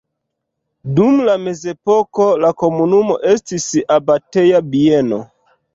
Dum la mezepoko la komunumo estis abateja bieno.